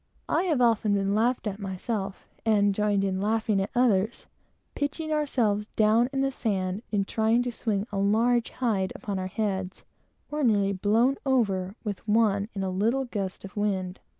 I have often been laughed at myself, and joined in laughing at others, pitching themselves down in the sand, trying to swing a large hide upon their heads, or nearly blown over with one in a little gust of wind.